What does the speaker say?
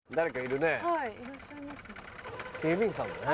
警備員さんだね。